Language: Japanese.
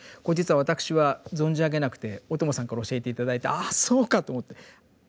これ実は私は存じ上げなくて小友さんから教えて頂いて「ああそうか！」と思って。